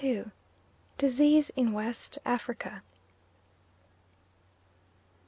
DISEASE IN WEST AFRICA.